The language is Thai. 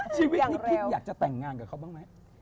ชีวิตนี้พี่อยากจะแต่งงานกับเขาบ้างไหม